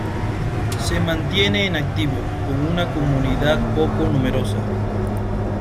Se mantiene en activo con una comunidad poco numerosa.